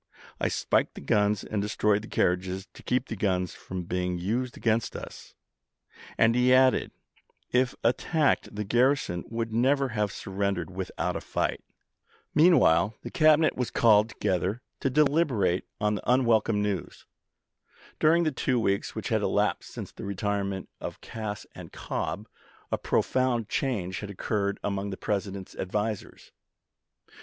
I spiked the guns and destroyed the carriages to keep the guns Anderson from being used against us." And he added, " If at Dec^K'o. tacked, the garrison would never have surrendered wi.fp. 3° ' without a fight." Vol. III.— 5 66 ABRAHAM LINCOLN chap. v. Meanwhile, the Cabinet was called together to deliberate on the unwelcome news. During the two weeks which had elapsed since the retirement of Cass and Cobb, a profound change had occurred among the President's advisers.